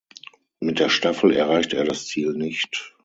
Mit der Staffel erreichte er das Ziel nicht.